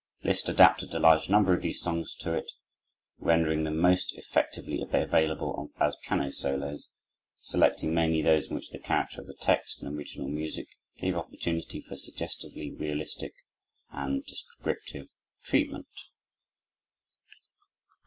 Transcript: Liszt adapted a large number of these songs to it, rendering them most effectively available as piano solos, selecting mainly those in which the character of the text and original music gave opportunity for suggestively realistic and descriptive treatment.